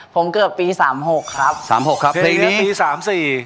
ของกูธี่ช่วยครับค่ะผม